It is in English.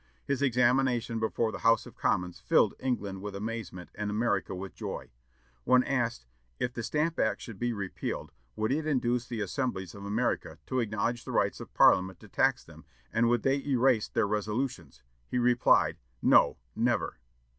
His examination before the House of Commons filled England with amazement and America with joy. When asked, "If the Stamp Act should be repealed, would it induce the Assemblies of America to acknowledge the rights of Parliament to tax them, and would they erase their resolutions?" he replied, "No, never!"